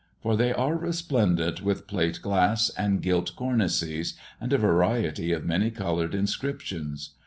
For they are resplendent with plate glass and gilt cornices, and a variety of many coloured inscriptions.